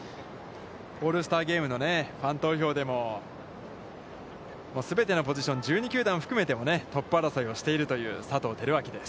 オールスターゲームのファン投票でも全てのポジション、１２球団でもトップ争いをしているという佐藤輝明です。